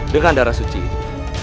dengan darah suci ini